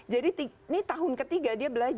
jadi ini tahun ketiga dia belajar